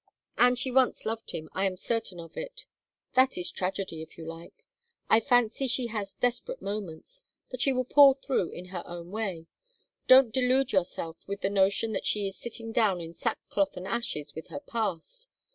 And she once loved him, I am certain of it. That is tragedy, if you like. I fancy she has desperate moments, but she will pull through in her own way. Don't delude yourself with the notion that she is sitting down in sackcloth and ashes with her past!